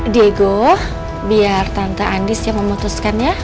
diego biar tante andis yang memutuskan ya